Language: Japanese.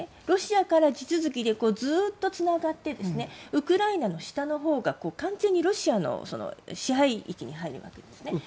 ロシアから地続きでずっとつながってウクライナの下のほうが完全にロシアの支配域に入るわけですね。